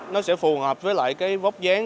nó sẽ phù hợp với vóc dáng